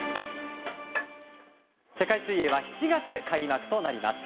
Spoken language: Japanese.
世界水泳は７月開幕となります。